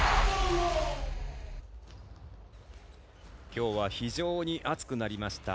きょうは非常に暑くなりました。